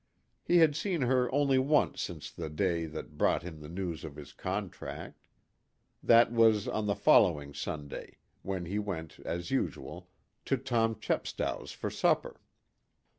He had seen her only once since the day that brought him the news of his contract. That was on the following Sunday, when he went, as usual, to Tom Chepstow's for supper.